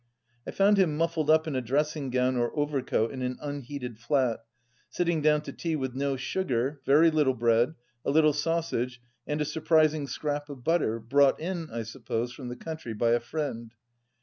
I found him muffled up in a dressing gown or overcoat in an unheated flat, sitting down to tea with no sugar, very little bread, a little sausage and a surprising scrap of butter, brought in, I suppose, from the country by a friend.